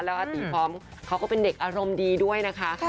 แล้วอาตีพร้อมเขาก็เป็นเด็กอารมณ์ดีด้วยนะคะ